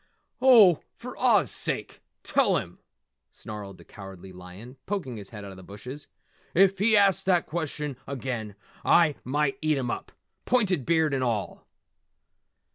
"Oh, for Oz sake tell him!" snarled the Cowardly Lion, poking his head out of the bushes. "If he asks that question again I might eat him up, pointed beard and all!"